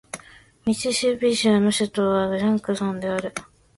ミシシッピ州の州都はジャクソンである